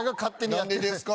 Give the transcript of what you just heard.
「何でですか？」